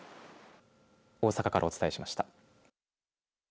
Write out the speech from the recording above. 大阪からお伝えしました。